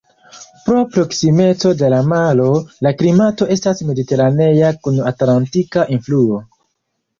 Pro proksimeco de la maro, la klimato estas mediteranea kun atlantika influo.